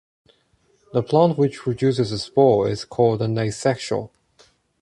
The plant which produces a spore is called an asexual.